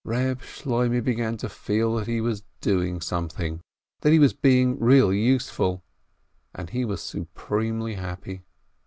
Eeb Shloimeh began to feel that he was doing some thing, that he was being really useful, and he was supremely happy.